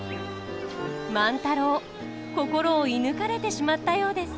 万太郎心を射ぬかれてしまったようです。